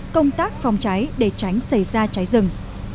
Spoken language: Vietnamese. các phòng cháy để tránh xảy ra cháy rừng